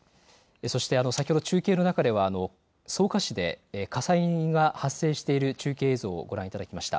先ほど中継の中では草加市で火災が発生している中継映像をご覧いただきました。